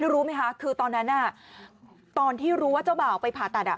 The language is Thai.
รู้ไหมคะคือตอนนั้นตอนที่รู้ว่าเจ้าบ่าวไปผ่าตัด